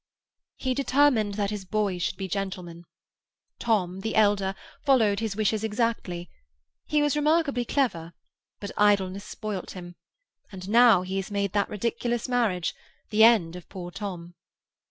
"He determined that his boys should be gentlemen. Tom, the elder, followed his wishes exactly; he was remarkably clever, but idleness spoilt him, and now he has made that ridiculous marriage—the end of poor Tom.